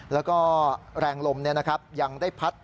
และก็แรงลมนะครับยังได้พัด